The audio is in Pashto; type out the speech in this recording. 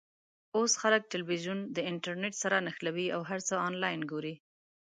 اوس خلک ټلویزیون د انټرنېټ سره نښلوي او هر څه آنلاین ګوري.